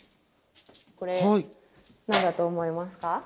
これ何だと思いますか？